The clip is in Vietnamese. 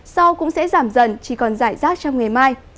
gió cũng sẽ giảm dần chỉ còn rải rác trong ngày mai